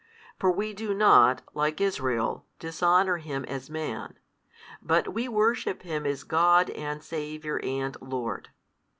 For we do not, like Israel, dishonour Him as Man, but WE worship Him as God and Saviour and Lord.